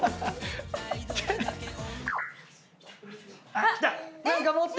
あっ来た！